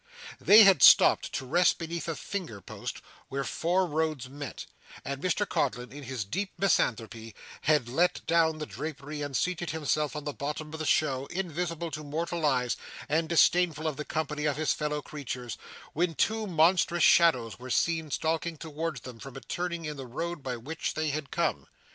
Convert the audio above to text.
They had stopped to rest beneath a finger post where four roads met, and Mr Codlin in his deep misanthropy had let down the drapery and seated himself in the bottom of the show, invisible to mortal eyes and disdainful of the company of his fellow creatures, when two monstrous shadows were seen stalking towards them from a turning in the road by which they had come.